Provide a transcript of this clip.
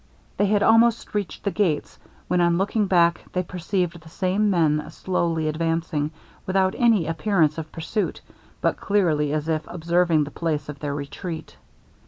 They had almost reached the gates, when on looking back, they perceived the same men slowly advancing, without any appearance of pursuit, but clearly as if observing the place of their retreat.